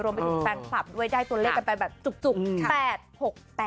รวมเป็นแฟนคลับด้วยได้ตัวเลขกันไปแบบจุก